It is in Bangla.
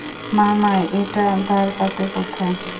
মামা, এটা দ্বারকাতে কোথায়?